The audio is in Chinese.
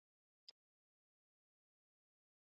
科罗拉多镇区为美国堪萨斯州林肯县辖下的镇区。